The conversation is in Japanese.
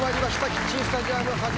キッチンスタジアム。